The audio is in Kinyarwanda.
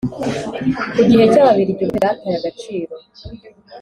ku gihe cy'ababiligi ubwami bwataye agaciro.